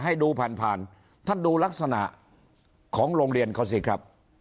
ให้ดูผ่านผ่านท่านดูลักษณะของโรงเรียนเขาสิครับ